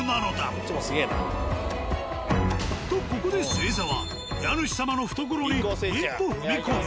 こっちもすげぇな。とここで末澤家主様の懐に一歩踏み込む。